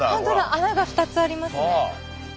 穴が２つありますね。